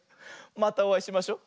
またおあいしましょ。